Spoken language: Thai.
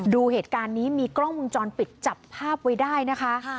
ดูเหตุการณ์นี้มีกล้องวงจรปิดจับภาพไว้ได้นะคะ